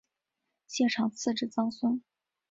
谢承锡之曾孙。